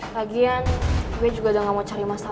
lagian gue juga udah gak mau cari masalah sama dia